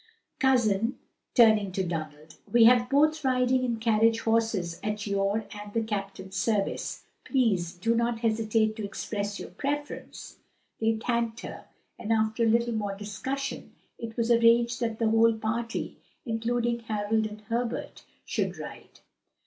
Cousin," turning to Donald, "we have both riding and carriage horses at your and the captain's service; please do not hesitate to express your preference." They thanked her, and after a little more discussion it was arranged that the whole party, including Harold and Herbert, should ride.